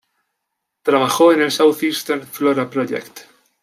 Trabajó en el "Southeastern Flora Project".